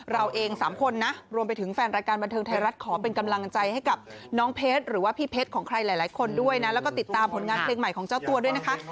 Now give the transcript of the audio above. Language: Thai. เราเอง๓คนนะรวมไปถึงแฟนรายการบันเทิงไทยรัฐขอเป็นกำลังใจให้กับน้องเพชรหรือว่าพี่เพชรของใครหลายคนด้วยนะแล้วก็ติดตามผลงานเพลงใหม่ของเจ้าตัวด้วยนะคะ